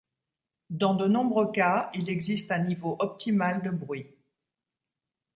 Dans de nombreux cas, il existe un niveau optimal de bruit.